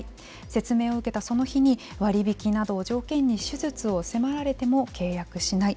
説明を受けたその日に割引などを条件に手術を迫られても契約しない。